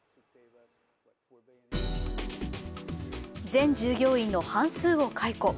全従業員の半数を解雇。